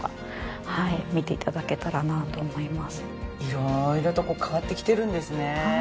色々と変わってきてるんですね。